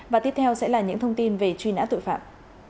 và tiếp theo sẽ là những thông tin về truy nã tội phạm